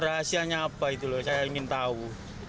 rahasianya apa itu loh saya ingin tahu